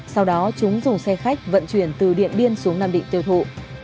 sau đó chúng dùng xe khách vận chuyển từ điện biên xuống nam định tiêu thụ